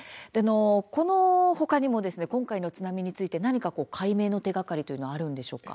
この他にも、今回の津波について何か解明の手がかりというのはあるんでしょうか。